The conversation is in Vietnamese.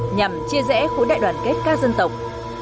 nhằm chia rẽ khối đại đoàn kết ca dân tổng